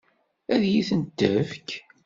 Ad iyi-tent-tefk?